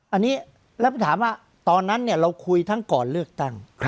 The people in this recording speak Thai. อันนี้แล้วถามว่าตอนนั้นเราคุยทั้งก่อนเลือกตั้ง